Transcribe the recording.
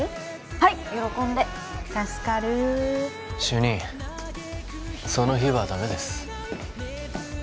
はい喜んで助かる主任その日はダメです